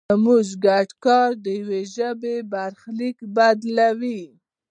زموږ ګډ کار د یوې ژبې برخلیک بدلوي.